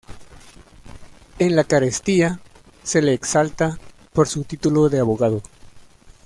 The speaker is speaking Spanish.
En la carestía, se le exalta por su título de abogado.